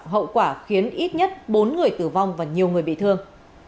hậu quả khiến ít nhất bốn người tử vong và nhiều người bị thương